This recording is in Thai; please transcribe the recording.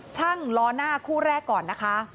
ชั่งล้อหน้าคู่แรกก่อน